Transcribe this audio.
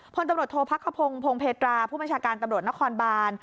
พลตำรวจโทษพักขพงศ์พงเพตราผู้บัญชาการตำรวจนครบาน